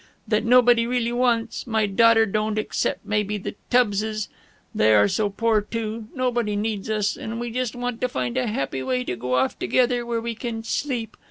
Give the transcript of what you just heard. That nobody really wants my daughter don't except maybe the Tubbses. And they are so poor, too. Nobody needs us and we just want to find a happy way to go off together where we can sleep!